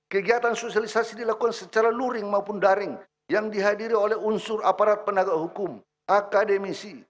kegiatan sosialisasi dilakukan secara luring maupun daring yang dihadiri oleh unsur aparat penegak hukum akademisi